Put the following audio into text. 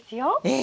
え！